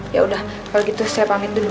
yaudah kalau gitu saya panggil dulu